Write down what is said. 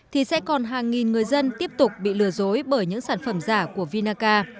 thì sẽ còn hàng nghìn người dân tiếp tục bị lừa dối bởi những sản phẩm giả của vinaca